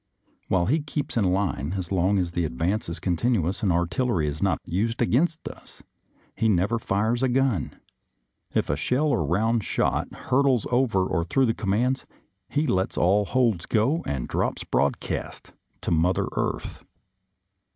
While he keeps in line as long as the advance is con TEXAS IN THE BATTLE OF THE WILDERNESS 237 tinuous and artillery is not used against us, he never fires a gun. If a shell or round shot hurtles over or through the commands, he lets all holds go and drops broadcast to Mother Earth.